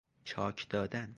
چاک دادن